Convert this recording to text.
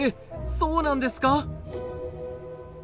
そうなんですか？